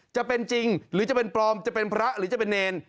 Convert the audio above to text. จะเป็นจริงหรือจะเป็นปลอมจะเป็นพระหรือจะเป็นเนร